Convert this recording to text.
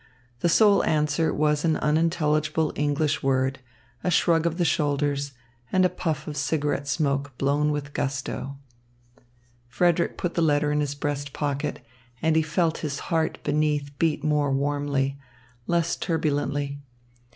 The sole answer was an unintelligible English word, a shrug of the shoulders, and a puff of cigarette smoke blown with gusto. Frederick put the letter in his breast pocket, and he felt his heart beneath beat more warmly, less turbulently.